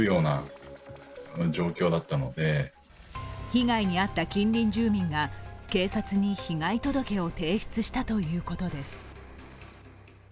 被害に遭った近隣住民が警察に被害届を提出したということです。